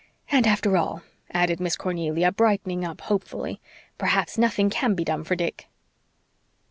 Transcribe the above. And after all," added Miss Cornelia, brightening up hopefully, "perhaps nothing can be done for Dick."